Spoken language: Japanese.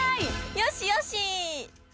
よしよし。